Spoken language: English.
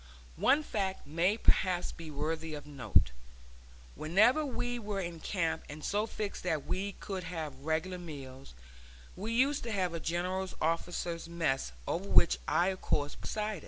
One fact may perhaps be worthy of note. Whenever we were in camp and so fixed that we could have regular meals, we used to have a general officers' mess, over which I of course presided.